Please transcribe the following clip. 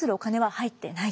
入ってない？